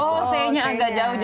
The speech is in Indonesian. oh c nya agak jauh